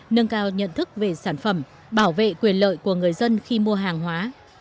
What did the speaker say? nâng cao nhận thức về sản phẩm bảo vệ quyền lợi của người dân khi mua hàng hóa